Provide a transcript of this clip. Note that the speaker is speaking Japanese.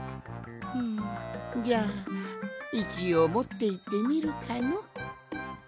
んじゃあいちおうもっていってみるかの。